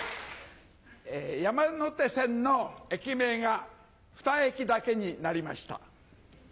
山手線の駅名が２駅だけになりました。